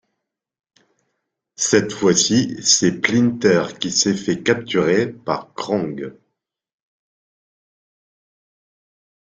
Cette fois-ci, c'est Splinter qui s'est fait capturer par Krang.